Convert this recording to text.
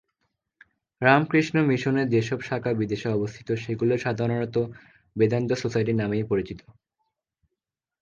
রামকৃষ্ণ মিশনের যে সব শাখা বিদেশে অবস্থিত, সেগুলি সাধারণত বেদান্ত সোসাইটি নামেই পরিচিত।